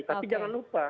tapi jangan lupa